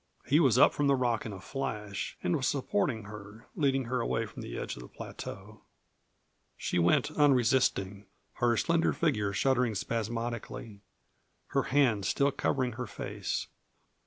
He was up from the rock in a flash and was supporting her, leading her away from the edge of the plateau. She went unresisting, her slender figure shuddering spasmodically, her hands still covering her face.